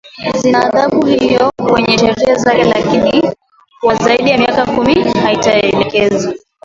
zina adhabu hiyo kwenye sheria zake lakini kwa zaidi miaka kumi haijatekeleza